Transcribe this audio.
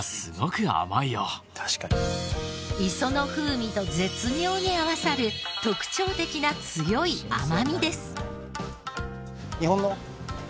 磯の風味と絶妙に合わさる特徴的な強い甘みです。